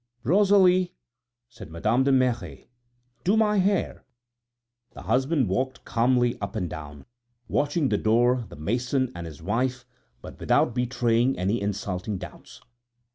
"Rosalie," said Madame de Merret, "do my hair." The husband walked calmly up and down, watching the door, the mason, and his wife, but without betraying any insulting doubts.